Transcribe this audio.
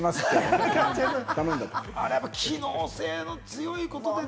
あれ、機能性の強いところでね。